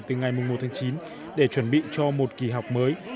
từ ngày một tháng chín để chuẩn bị cho một kỳ học mới